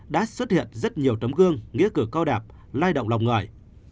đã xuất hiện rất nhiều tấm gương nghĩa cử cao đẹp lai động lòng người